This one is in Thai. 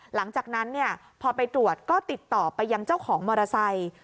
หลังจากนั้นพอไปตรวจก็ติดต่อไปยังเจ้าของมอเตอร์ไซค์